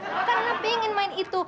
karena pengen main itu